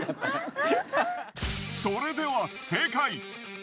それでは正解！